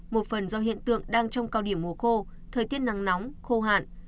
một phần do hiện tượng đang trong cao điểm mùa khô thời tiết nắng nóng khô hạn